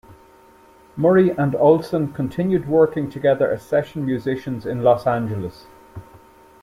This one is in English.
Murray and Olsson continued working together as session musicians in Los Angeles.